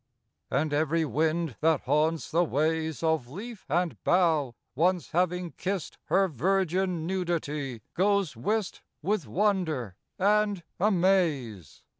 And every wind that haunts the ways Of leaf and bough, once having kissed Her virgin nudity, goes whist With wonder and amaze.